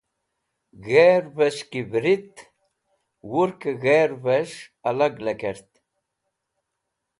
Gẽrvẽs̃h ki vẽrit wurkẽ g̃herves̃h alag lekẽrt.